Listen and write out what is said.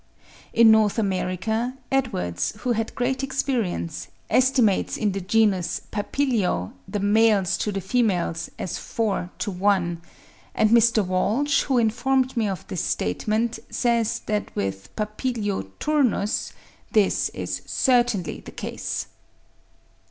In North America, Edwards, who had great experience, estimates in the genus Papilio the males to the females as four to one; and Mr. Walsh, who informed me of this statement, says that with P. turnus this is certainly the case.